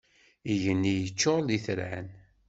Igenni yeččur d itran.